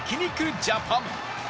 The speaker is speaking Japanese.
ジャパン